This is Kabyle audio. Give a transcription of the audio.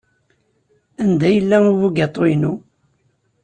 Anda yella ubugaṭu-inu?